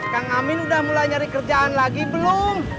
kang amin udah mulai nyari kerjaan lagi belum